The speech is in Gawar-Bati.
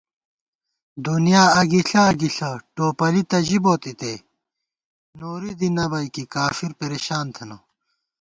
دُنیا اگِݪہ اگِݪہ ٹوپَلی تہ ژِبوت اِتے، نوری دی نَبَئیکےکافر پریشان تھنہ